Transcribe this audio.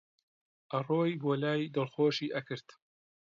ئەڕۆیی بۆلای دڵخۆشی ئەکرد